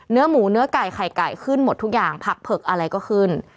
เนื้อหมูเนื้อไก่ไข่ไก่ขึ้นหมดทุกอย่างผักเผือกอะไรก็ขึ้น